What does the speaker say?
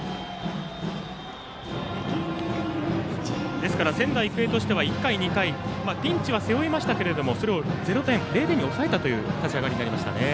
ですから、仙台育英としては１回、２回ピンチは背負いましたがそれを０点に抑えた立ち上がりになりましたね。